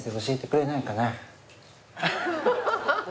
アハハハハ。